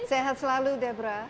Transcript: sehat selalu debra